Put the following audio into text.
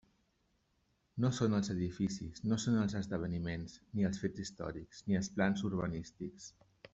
No són els edificis, no són els esdeveniments, ni els fets històrics, ni els plans urbanístics.